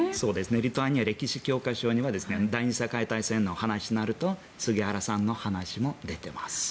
リトアニアの歴史教科書には第２次世界大戦の話になると杉原さんの話も出ています。